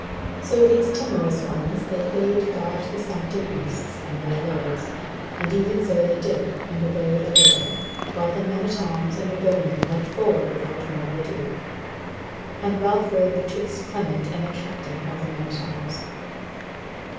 So these timorous ones they bade guard the sumpter beasts and their loads; and even so they did, and abode a little, while the men at arms and the bowmen went forward without more ado; and Ralph rode betwixt Clement and the captain of the men at arms.